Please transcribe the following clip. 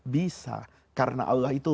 bisa karena allah itu